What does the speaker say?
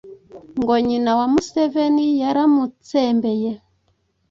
Ngo nyina wa Museveni yaramutsembeye